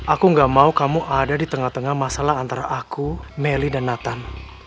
aku gak mau kamu ada di tengah tengah masalah antara aku melly dan nathan